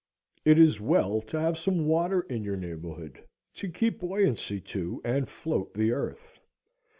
It is well to have some water in your neighborhood, to give buoyancy to and float the earth.